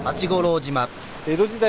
江戸時代